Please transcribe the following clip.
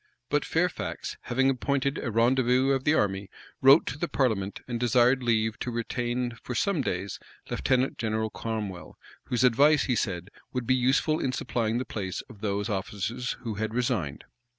But Fairfax, having appointed a rendezvous of the army, wrote to the parliament, and desired leave to retain for some days Lieutenant General Cromwell, whose advice, he said, would be useful in supplying the place of those officers who had resigned.